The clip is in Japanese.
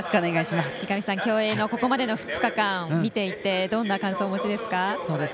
三上さん、競泳のここまでの２日間を見ていてどんな感想、お持ちですか？